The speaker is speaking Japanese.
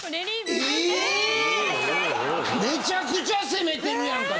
めちゃくちゃ攻めてるやんか。